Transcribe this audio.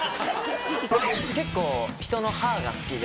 結構ひとの歯が好きで。